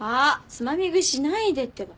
つまみ食いしないでってば。